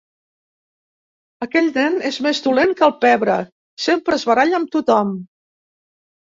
Aquell nen és més dolent que el pebre. Sempre es baralla amb tothom.